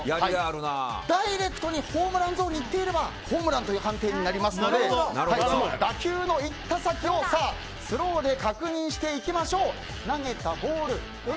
ダイレクトにホームランゾーンにいっていればホームランという判定になりますので打球のいった先をスローで確認していきましょう。